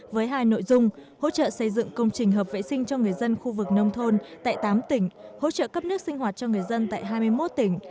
với hai nội dung hỗ trợ xây dựng công trình hợp vệ sinh cho người dân khu vực nông thôn tại tám tỉnh hỗ trợ cấp nước sinh hoạt cho người dân tại hai mươi một tỉnh